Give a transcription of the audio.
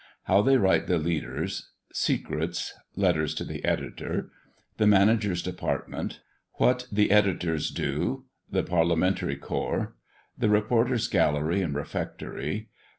HOW THEY WRITE THE "LEADERS." SECRETS. LETTERS TO THE EDITOR. THE MANAGER'S DEPARTMENT. WHAT THE EDITORS DO. THE PARLIAMENTARY CORPS. THE REPORTER'S GALLERY AND REFECTORY.